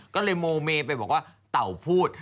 ก็เลยโมเมไปบอกว่าเต่าพูด